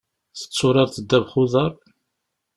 Tetturareḍ ddabex n uḍar?